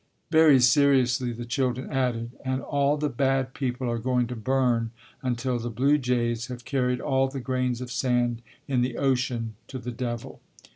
Very seriously the children added, "And all the bad people are going to burn until the blue jays have carried all the grains of sand in the ocean to the devil."